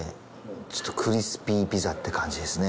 ちょっとクリスピーピザって感じですね。